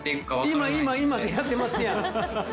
今今出会ってますやん。